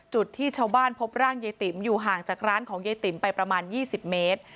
จุดที่ชาวบ้านพบร่างยายติ๋มอยู่ห่างจากร้านของยายติ๋มไปประมาณ๒๐เมตร